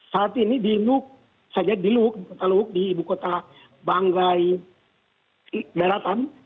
saat ini di luhuk saya jelaskan di luhuk di ibu kota bangga daratan